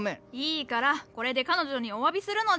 いいからこれで彼女におわびするのじゃ。